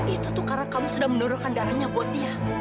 itu tuh karena kamu sudah menurunkan darahnya buat dia